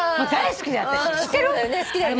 好きだよね。